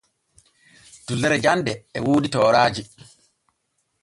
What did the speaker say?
Dullere jande e woodi tooraaji.